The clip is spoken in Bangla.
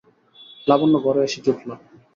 লাবণ্যও ঘরে এসে জুটল।